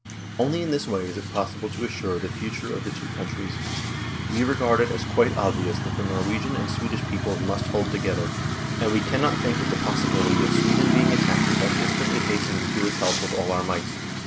Only in this way is it possible to assure the future of the two countries. We regard it as quite obvious that the Norwegian and Swedish peoples must hold together, and we cannot think of the possibility of Sweden being attacked without instantly hastening 96 NORWAY AND THE UNION WITH SWEDEN to its help with all our might.